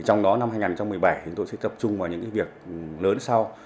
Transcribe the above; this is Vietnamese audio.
trong đó năm hai nghìn một mươi bảy chúng tôi sẽ tập trung vào những việc lớn sau